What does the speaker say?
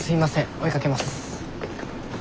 追いかけます。